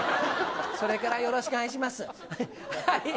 それからよろしくお願いします。